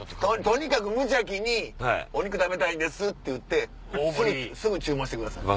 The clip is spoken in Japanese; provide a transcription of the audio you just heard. とにかく無邪気に「お肉食べたいんです」って言ってすぐ注文してください。